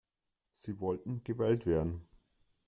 Sie wollten gewählt werden.